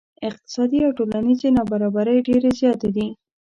اقتصادي او ټولنیزې نا برابرۍ ډیرې زیاتې دي.